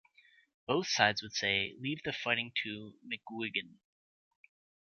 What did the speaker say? Both sides would say: 'Leave the fighting to McGuigan.